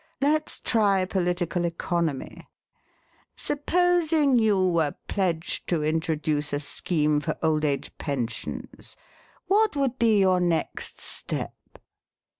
Let's try Political Economy. Supposing you were pledged to introduce a scheme for Old Age Pensions, what would be your next step